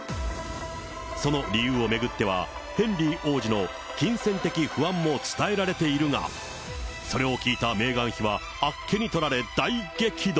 その理由を巡っては、ヘンリー王子の金銭的不安も伝えられているが、それを聞いたメーガン妃は、あっけにとられ大激怒。